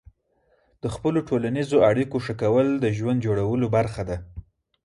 د خپلو ټولنیزو اړیکو ښه کول د ژوند جوړولو برخه ده.